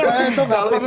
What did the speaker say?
maksud saya itu gak perlu